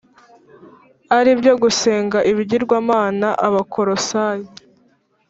ari byo gusenga ibigirwamana Abakolosayi